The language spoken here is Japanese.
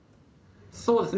そうですね。